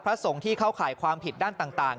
สงฆ์ที่เข้าข่ายความผิดด้านต่าง